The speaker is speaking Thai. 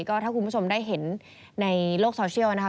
ก็ถ้าคุณผู้ชมได้เห็นในโลกโซเชียลนะครับ